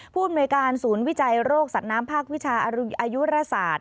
พูดในการศูนย์วิจัยโรคสัตว์น้ำภาควิชาอายุรสาท